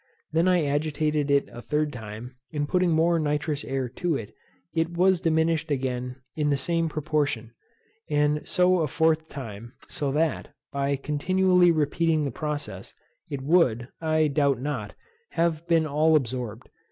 I then agitated it a third time, and putting more nitrous air to it, it was diminished again in the same proportion, and so a fourth time; so that, by continually repeating the process, it would, I doubt not, have been all absorbed.